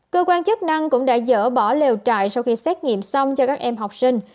cơ quan chức năng cũng đã dỡ bỏ lều trại sau khi xét nghiệm xong cho các em học sinh